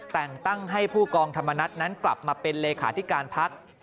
แต่งตั้งให้ผู้กองธรรมนัฐนั้นกลับมาเป็นเลขาธิการพัก